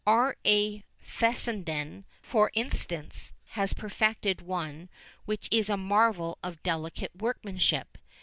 R. A. Fessenden, for instance, has perfected one which is a marvel of delicate workmanship.